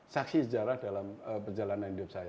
saksi sejarah dalam perjalanan hidup saya